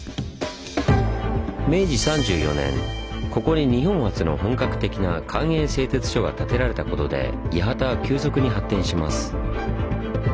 明治３４年ここに日本初の本格的な官営製鐵所が建てられたことで八幡は急速に発展します。